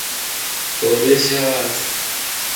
خودش است!